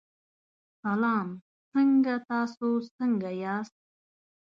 سلام څنګه تاسو څنګه یاست.